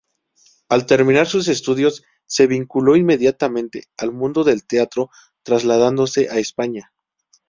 Al terminar sus estudios, se vinculó inmediatamente al mundo del teatro, trasladándose a España.